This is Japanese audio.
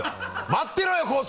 待ってろよ高知！